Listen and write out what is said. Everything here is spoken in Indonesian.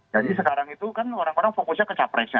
jadi sekarang itu kan orang orang fokusnya ke capresnya